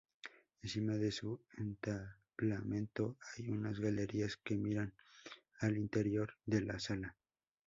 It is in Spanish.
Encima de su entablamento hay unas galerías que miran al interior de la sala.